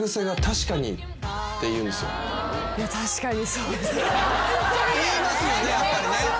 言いますよねやっぱりね。